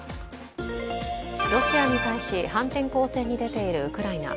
ロシアに対し反転攻勢に出ているウクライナ。